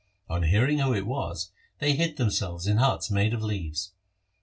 On hearing who it was, they hid themselves in huts made of leaves.